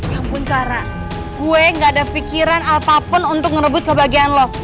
ya ampun clara gue gak ada pikiran apapun untuk ngerebut kebahagiaan lo